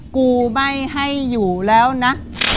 กูไม่ให้อยู่แล้วนะ